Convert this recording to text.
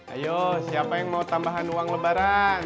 ayo siapa yang mau tambahan uang lebaran